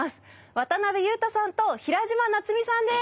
渡辺裕太さんと平嶋夏海さんです。